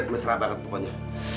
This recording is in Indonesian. mesra banget pokoknya